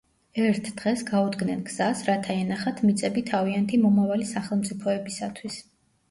ერთ დღეს გაუდგნენ გზას, რათა ენახათ მიწები თავიანთი მომავალი სახელმწიფოებისათვის.